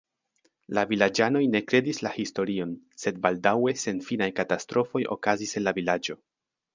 La vilaĝanoj ne kredis la historion, sed baldaŭe senfinaj katastrofoj okazis en la vilaĝo.